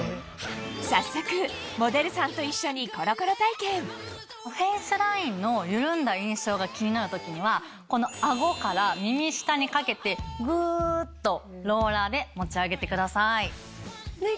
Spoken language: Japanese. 早速フェイスラインの緩んだ印象が気になる時にはこのあごから耳下にかけてぐっとローラーで持ち上げてください。